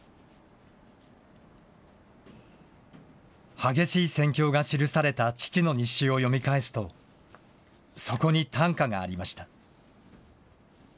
激しい戦況が記された父の日誌を読み返すと、そこに短歌がありました。